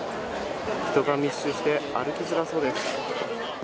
人が密集して歩きづらそうです。